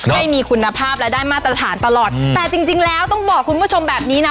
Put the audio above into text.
ให้มีคุณภาพและได้มาตรฐานตลอดแต่จริงจริงแล้วต้องบอกคุณผู้ชมแบบนี้นะ